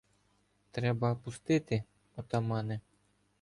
Треба пустити, отамане.